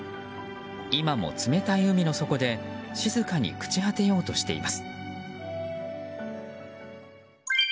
今も冷たい海の底で静かに朽ち果てようとしています。